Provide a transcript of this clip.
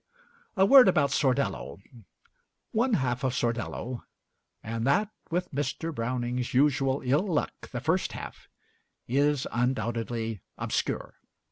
A word about 'Sordello.' One half of 'Sordello,' and that, with Mr. Browning's usual ill luck, the first half, is undoubtedly obscure.